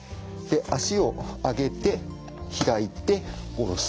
足を上げて開いて下ろす。